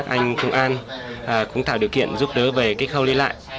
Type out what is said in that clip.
các anh công an cũng thảo điều kiện giúp đỡ về cái khâu lý lại